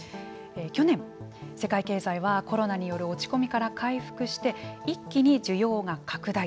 去年、世界経済はコロナによる落ち込みから回復して一気に需要が拡大。